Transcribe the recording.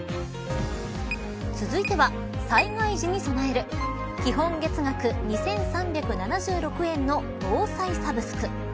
続いては、災害時に備える基本月額２３７６円の防災サブスク。